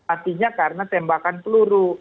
artinya karena tembakan peluru